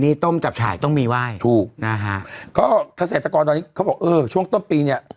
นี่ต้มจับฉายต้องมีไหว้ถูกนะฮะก็เกษตรกรตอนนี้เขาบอกเออช่วงต้นปีเนี้ย